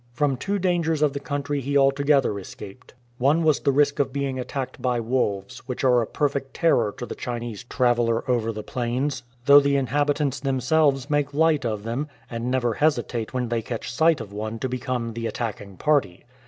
From two dangers of the country he altogether escaped. One was the risk of being attacked by wolves, which are a perfect terror to the Chinese traveller over the plains, though the inhabitants themselves make light of them, and never hesitate when they catch sight of one to become the attacking party.